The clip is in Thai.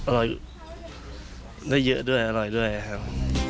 อร่อยได้เยอะด้วยอร่อยด้วยครับ